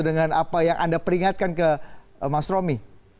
dengan apa yang anda peringatkan ke mas romi